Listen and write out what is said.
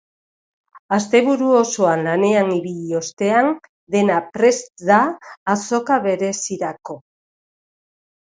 Asteburu osoan lanean ibili ostean dena prest da azoka berezirako.